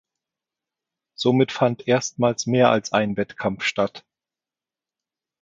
Somit fand erstmals mehr als ein Wettkampf statt.